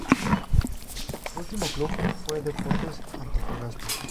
Su último club fue Deportes Antofagasta.